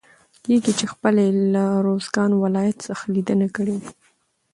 کېږي چې خپله يې له روزګان ولايت څخه ليدنه کړي وي.